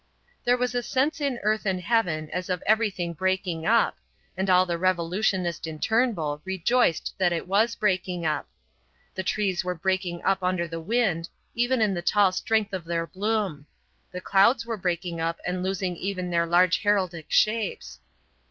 There was a sense in earth and heaven as of everything breaking up, and all the revolutionist in Turnbull rejoiced that it was breaking up. The trees were breaking up under the wind, even in the tall strength of their bloom: the clouds were breaking up and losing even their large heraldic shapes.